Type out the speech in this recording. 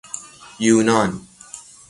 یونان